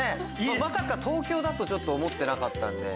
まさか東京だとちょっと思ってなかったんで。